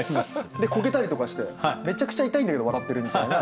こけたりとかしてめちゃくちゃ痛いんだけど笑ってるみたいな。